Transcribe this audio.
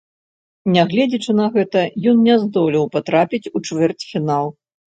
Нягледзячы на гэта, ён не здолеў патрапіць у чвэрцьфінал.